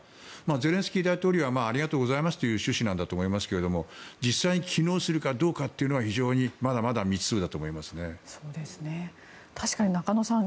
ゼレンスキー大統領はありがとうございますという趣旨なんだと思いますが実際に機能するかどうかは非常にまだまだ中野さん